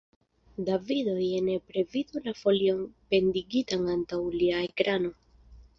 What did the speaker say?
Davido ja nepre vidu la folion pendigitan antaŭ lia ekrano.